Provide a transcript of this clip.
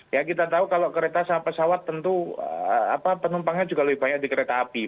ya kita tahu kalau kereta sama pesawat tentu penumpangnya juga lebih banyak di kereta api